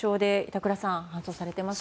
板倉さん。